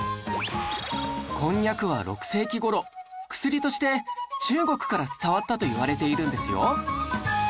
こんにゃくは６世紀頃薬として中国から伝わったといわれているんですよ